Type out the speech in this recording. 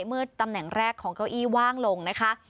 เมื่อตำแหน่งแรกของเก้าอี้ว่างลงนะคะ